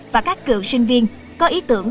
và các cựu sinh viên có ý tưởng